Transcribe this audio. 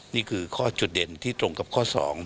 นี่คือข้อจุดเด่นที่ตรงกับข้อ๒